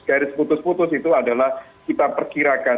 garis putus putus itu adalah kita perkirakan